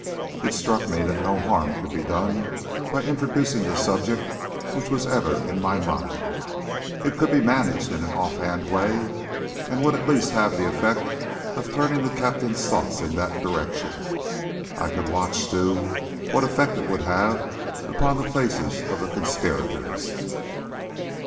It struck me that no harm could be done by introducing the subject which was ever in my mind. It could be managed in an off hand way, and would at least have the effect of turning the Captain's thoughts in that direction. I could watch, too, what effect it would have upon the faces of the conspirators.